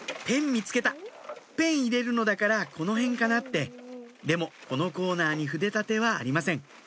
ペン見つけたペン入れるのだからこの辺かなってでもこのコーナーに筆立てはありません